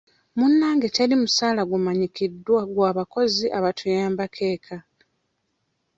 Munnange teri musaala gumanyikiddwa gwa bakozi abatuyambako eka.